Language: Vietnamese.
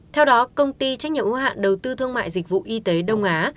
theo đó công ty trách nhiệm ưu hạn đầu tư thương mại dịch vụ y tế đông á